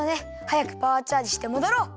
はやくパワーチャージしてもどろう！